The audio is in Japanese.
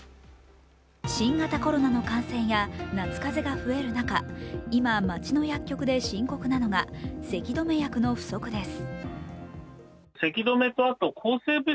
新型コロナの感染や夏風邪が増える中、今、街の薬局で深刻なのがせき止め薬の不足です。